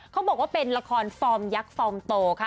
เขาบอกว่าเป็นละครฟอร์มยักษ์ฟอร์มโตค่ะ